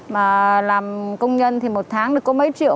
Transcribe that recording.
mà làm công nhân thì một tháng là có mấy triệu